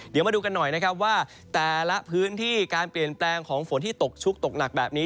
เดี๋ยวมาดูกันหน่อยนะครับว่าแต่ละพื้นที่การเปลี่ยนแปลงของฝนที่ตกชุกตกหนักแบบนี้